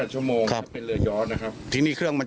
อ๋อ๘ชั่วโมงเหียงเป็นเรือยอนะคะครับ